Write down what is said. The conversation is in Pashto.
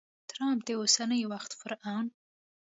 ټرمپ د اوسني وخت فرعون!